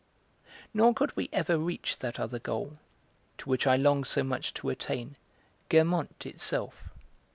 Nor could we ever reach that other goal, to which I longed so much to attain, Guermantes itself.